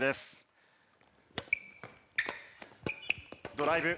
ドライブ。